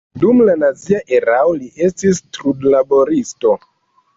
Dum la nazia erao li estis trudlaboristo.